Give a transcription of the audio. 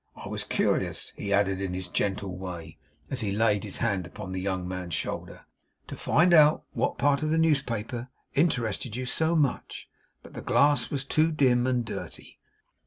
I was curious,' he added in his gentle way as he laid his hand upon the young man's shoulder, 'to find out what part of the newspaper interested you so much; but the glass was too dim and dirty.